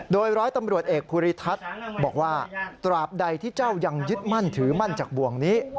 โดยร้อยตำรวจเอกภูริทัศน์บอกว่าตราบใดที่เจ้ายังยึดมั่นถือมั่นจากบ่วงนี้